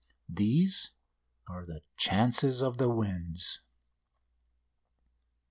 These are the chances of the winds.